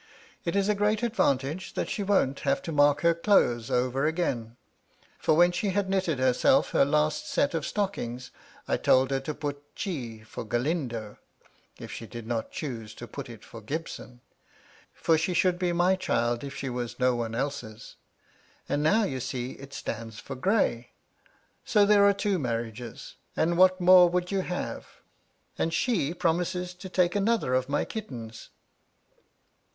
It ' is a great advantage that she won't have to mark her ' clothes over again ; for when she had knitted herself 'her last set of stockings, I told her to put G for ' Galindo, if she did not choose to put it for Gibson, for 'she should be my child if she was no one else's. ' And now, you see, it stands for Gray. So there are ' two marriages, and what more would you have ? And ' she promises to take another of my kittens.